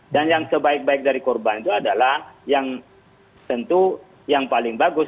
dan yang sebaik baik dari korban itu adalah yang tentu yang paling bagus